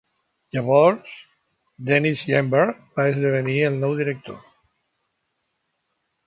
Llavors, Denis Jeambar va esdevenir el nou director.